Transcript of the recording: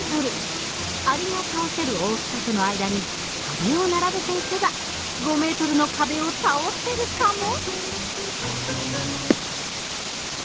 アリが倒せる大きさとの間に壁を並べていけば５ｍの壁を倒せるかも？